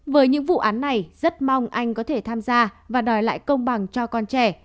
với những vụ án này rất mong anh có thể tham gia và đòi lại công bằng cho con trẻ